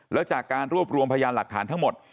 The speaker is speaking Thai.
แล้วจากการรวบรวมพยานหลักฐานทั้งหมด